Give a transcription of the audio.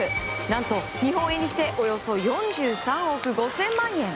何と日本円にしておよそ４３億５０００万円。